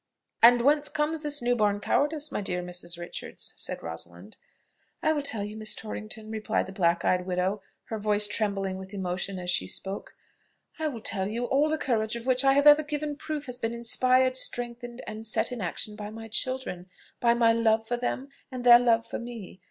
"And whence comes this new born cowardice, my dear Mrs. Richards?" said Rosalind. "I will tell you, Miss Torrington," replied the black eyed widow, her voice trembling with emotion as she spoke, "I will tell you: all the courage of which I have ever given proof has been inspired, strengthened, and set in action by my children, by my love for them, and their love for me.